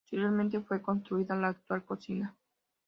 Posteriormente, fue construida la actual cocina.